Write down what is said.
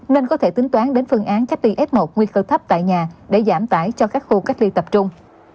nên có thể tính toán đến phương án cách ly f một nguy cơ thấp tại nhà để giảm tải cho các khu cách ly tập trung